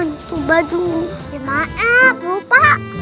itu bajunya sudah dibuang